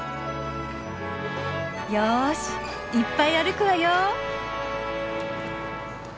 よしいっぱい歩くわよ。